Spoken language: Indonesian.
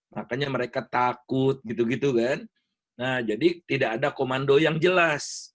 makanya mereka takut gitu gitu kan nah jadi tidak ada komando yang jelas